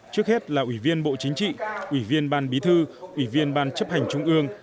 trước hết là ủy viên bộ chính trị ủy viên ban bí thư ủy viên ban chấp hành trung ương